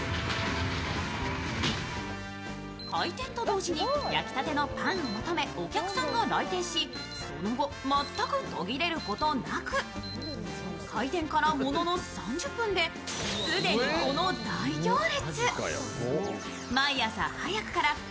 開店と同時に焼きたてのパンを求めお客さんが来店しその後、全く途切れることなく開店からものの３０分で既にこの大行列。